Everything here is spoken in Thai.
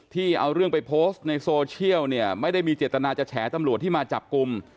ที่เอาเรื่องไปโพสต์ในโซเชียลเนี่ยไม่ได้มีเจตนาจะแฉตำรวจที่มาจับกลุ่ม